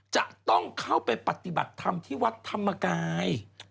จะต้องเข้าไปปฏิบัติธรรมที่วัดธรรมกาย